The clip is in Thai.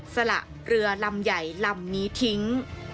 สละเรือลำใหญ่ลำนี้ทิ้ง